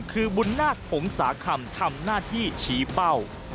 คือบุญนาคหงษาคำทำหน้าที่ชี้เป้า